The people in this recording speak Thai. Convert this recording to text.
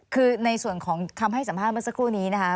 คือในส่วนของคำให้สัมภาษณ์เมื่อสักครู่นี้นะคะ